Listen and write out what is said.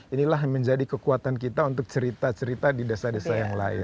inilah menjadi kekuatan kita untuk cerita cerita di desa desa yang lain